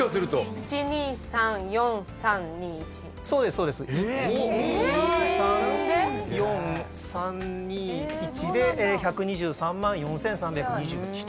１２３４３２１で１２３万４，３２１と。